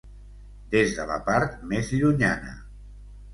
Des de la part més llunyana...